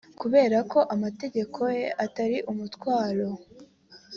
kubera ko amategeko ye atari umutwaro